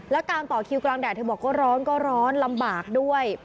แล้วการต่อคิวกลางแดดเธอบอกก็ร้อนก็ร้อนลำบากด้วย